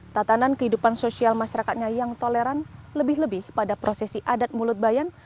tatanan kehidupan sosial masyarakatnya yang toleran lebih lebih pada prosesi adat mulut bayan